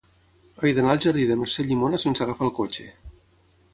He d'anar al jardí de Mercè Llimona sense agafar el cotxe.